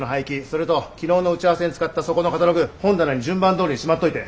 それと昨日の打ち合わせに使ったそこのカタログ本棚に順番どおりにしまっといて。